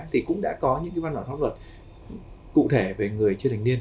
thì cũng đã có những cái văn bản pháp luật cụ thể về người chưa thành niên